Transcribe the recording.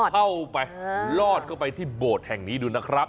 เข้าไปลอดเข้าไปที่โบสถ์แห่งนี้ดูนะครับ